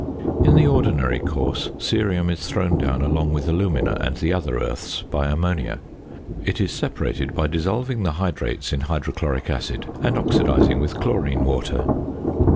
In the ordinary course cerium is thrown down along with alumina and the other earths by ammonia. It is separated by dissolving the hydrates in hydrochloric acid, and oxidizing with chlorine water.